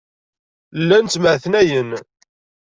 Llan ttemɛetnayen.